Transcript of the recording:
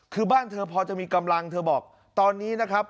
คือบ้านเธอพอจะมีกำลังเธอบอกตอนนี้นะครับ